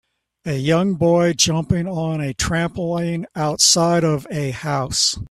a young boy jumping on a trampoline outside of a house